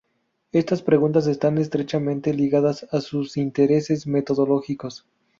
Estas preguntas están estrechamente ligadas a sus intereses metodológicos.